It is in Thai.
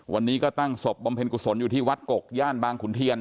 วันนี้ก็ตั้งศพบำเพ็ญกุศลอยู่ที่วัดกกย่านบางขุนเทียน